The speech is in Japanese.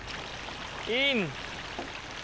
イン！